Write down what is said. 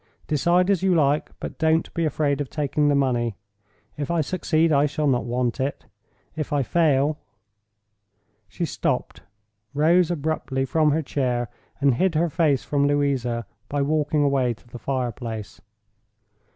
Decide as you like, but don't be afraid of taking the money. If I succeed, I shall not want it. If I fail—" She stopped, rose abruptly from her chair, and hid her face from Louisa by walking away to the fire place.